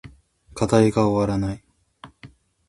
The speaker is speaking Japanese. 課題が終わらない